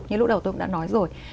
như lúc đầu tôi cũng đã nói rồi